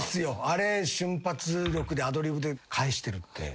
あれ瞬発力でアドリブで返してるって。